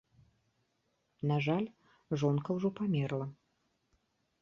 На жаль, жонка ўжо памерла.